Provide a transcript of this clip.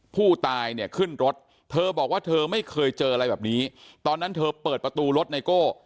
ผู้ตายเนี่ยขึ้นรถเธอบอกว่าเธอไม่เคยเจออะไรแบบนี้ตอนนั้นเธอเปิดประตูรถไนโก้